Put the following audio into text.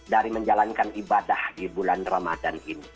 dari menjalankan ibadah di bulan ramadan ini